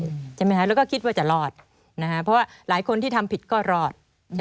ใช่ไหมคะแล้วก็คิดว่าจะรอดเพราะว่าหลายคนที่ทำผิดก็รอด